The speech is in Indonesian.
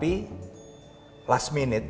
saya harus melihat realita yang berbeda